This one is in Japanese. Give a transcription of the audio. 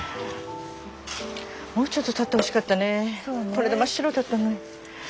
これで真っ白だった。